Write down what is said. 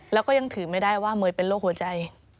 แล้วก็ยังถือไม่ได้ว่าเมย์เป็นโรคหัวใจ